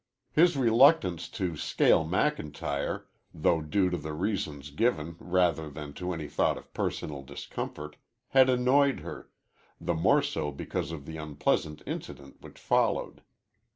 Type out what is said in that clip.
His reluctance to scale McIntyre, though due to the reasons given rather than to any thought of personal discomfort, had annoyed her, the more so because of the unpleasant incident which followed.